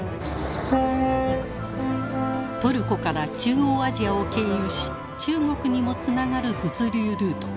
トルコから中央アジアを経由し中国にもつながる物流ルート